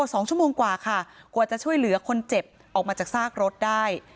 สองชั่วโมงกว่าค่ะกว่าจะช่วยเหลือคนเจ็บออกมาจากซากรถได้